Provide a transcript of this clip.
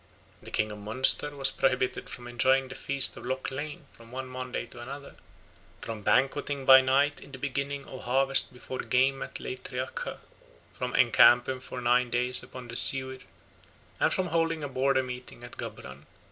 The king of Munster was prohibited from enjoying the feast of Loch Lein from one Monday to another; from banqueting by night in the beginning of harvest before Geim at Leitreacha; from encamping for nine days upon the Siuir; and from holding a border meeting at Gabhran.